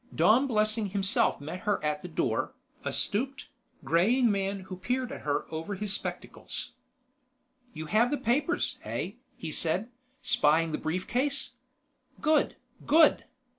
Dom Blessing himself met her at the door, a stooped, graying man who peered at her over his spectacles. "You have the papers, eh?" he said, spying the brief case. "Good, good.